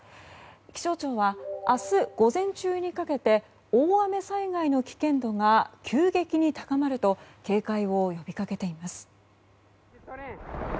気象庁は明日午前中にかけて大雨災害の危険度が急激に高まると警戒を呼びかけています。